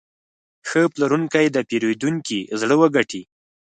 ښه پلورونکی د پیرودونکي زړه وګټي.